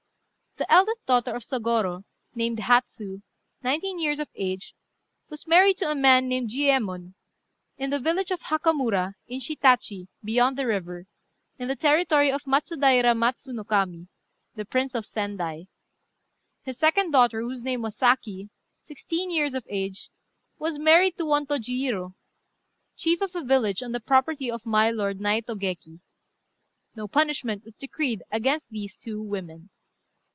The eldest daughter of Sôgorô, named Hatsu, nineteen years of age, was married to a man named Jiuyémon, in the village of Hakamura, in Shitachi, beyond the river, in the territory of Matsudaira Matsu no Kami (the Prince of Sendai). His second daughter, whose name was Saki, sixteen years of age, was married to one Tôjiurô, chief of a village on the property of my lord Naitô Geki. No punishment was decreed against these two women.